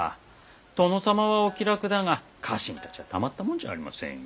殿様はお気楽だが家臣たちはたまったもんじゃありませんよ。